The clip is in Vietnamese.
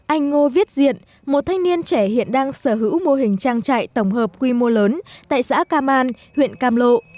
anh ngô viết diện một thanh niên trẻ hiện đang sở hữu mô hình trang trại tổng hợp quy mô lớn tại xã cam an huyện cam lộ